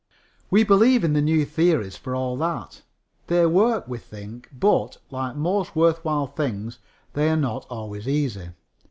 We believe in the new theories for all that. They work, we think, but, like most worth while things, they are not always easy.